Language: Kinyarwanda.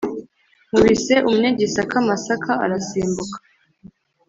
nkubise umunyagisaka amasaka arasimbuka,